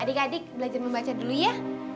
adik adik belajar membaca dulu ya